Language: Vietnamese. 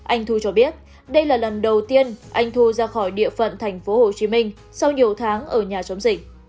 anh thu cho biết đây là lần đầu tiên anh thu ra khỏi địa phận tp hcm sau nhiều tháng ở nhà chống dịch